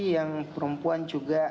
yang perempuan juga